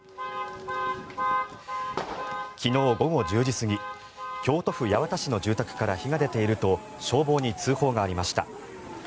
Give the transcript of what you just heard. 昨日午後１０時過ぎ京都府八幡市の住宅から火が出ていると消防に通報がありました。